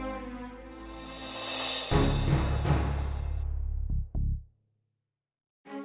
jangan bru di sialah